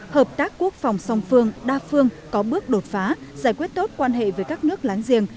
hợp tác quốc phòng song phương đa phương có bước đột phá giải quyết tốt quan hệ với các nước láng giềng